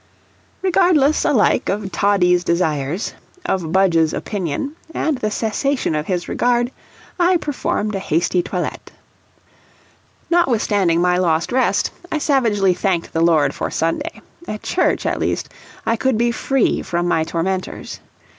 Regardless alike of Toddie's desires, of Budge's opinion, and the cessation of his regard, I performed a hasty toilet. Notnwithstanding my lost rest, savagely thanked the Lord for Sunday; at church, at least, I could be free from my tormentors.